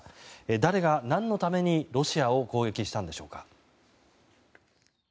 誰が何のためにロシアを攻撃したんでしょうか。